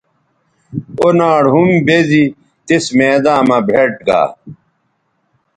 او ناڑ ھم بیزی تس میداں مہ بھیٹ گا